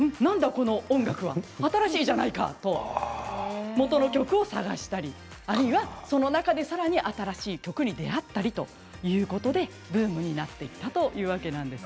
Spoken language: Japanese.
この音楽は新しいじゃないかと元の曲を探したりあるいは、その中でさらに新しい曲に出会ったりということでブームになっていったというわけなんです。